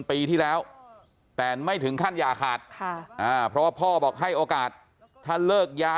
ปีที่แล้วแต่ไม่ถึงขั้นอย่าขาดเพราะว่าพ่อบอกให้โอกาสถ้าเลิกยา